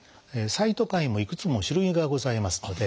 サイトカインもいくつも種類がございますので。